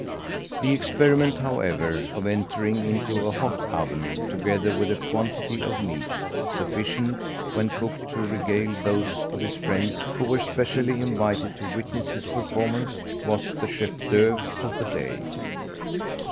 The experiment, however, of entering into a hot oven, together with a quantity of meat, sufficient, when cooked, to regale those of his friends who were specially invited to witness his performance, was the chef d'oeuvre of the day.